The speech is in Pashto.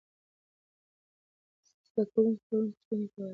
زده کوونکي پرون پوښتنې کولې.